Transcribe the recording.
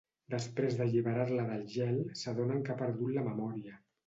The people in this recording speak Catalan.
Després d'alliberar-la del gel s'adonen que ha perdut la memòria.